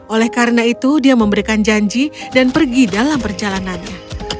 oleh karena itu dia memberikan janji dan pergi dalam perjalanannya